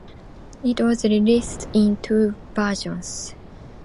It was released in two versions.